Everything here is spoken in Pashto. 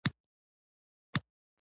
محصلین هم په دې ژورنال کې مرسته کوي.